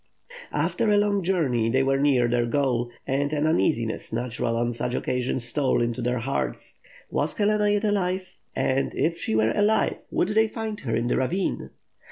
After a long journey, they were near their goal, and an uneasiness natural on such occasions stole into their hearts. Was Helena yet alive? And, if she were alive, would they find her in the ravine?